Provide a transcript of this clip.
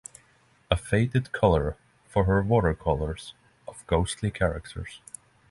A faded colour for her watercolors of ghostly characters.